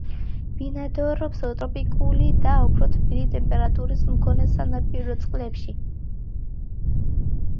ბინადრობს ტროპიკული და უფრო თბილი ტემპერატურის მქონე სანაპირო წყლებში.